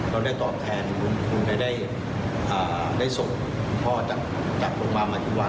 เราได้ตอบแทนคุณได้ส่งพ่อจากโรงพยาบาลมาที่วัด